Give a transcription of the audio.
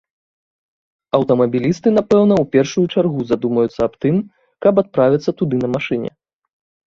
Аўтамабілісты, напэўна, у першую чаргу задумаюцца аб тым, каб адправіцца туды на машыне.